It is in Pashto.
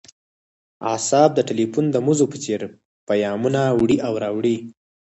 اعصاب د ټیلیفون د مزو په څیر پیامونه وړي او راوړي